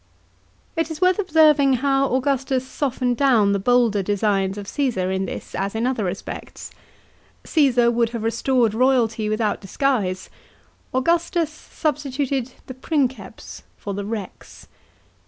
It is worth observing how Augustus softened down the bolder designs of Cassar in this as in other respects. Caesar would have restored royalty without disguise ; Augustus substituted the princeps for the rex.